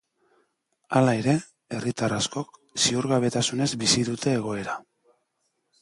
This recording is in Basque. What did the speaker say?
Hala ere, herritar askok ziurgabetasunez bizi dute egoera.